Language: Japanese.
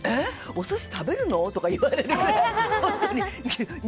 お寿司食べるの？とか言われるくらい。